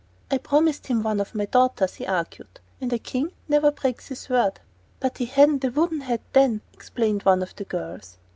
"I promised him one of my daughters," he argued, "and a King never breaks his word." "But he hadn't a wooden head then," explained one of the girls.